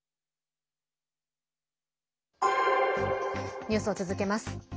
ニュースを続けます。